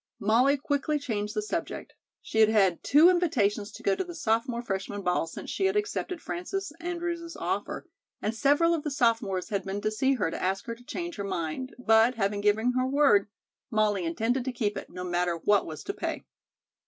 Molly quickly changed the subject. She had had two invitations to go to the Sophomore Freshman Ball since she had accepted Frances Andrews' offer, and several of the sophomores had been to see her to ask her to change her mind, but, having given her word, Molly intended to keep it, no matter what was to pay.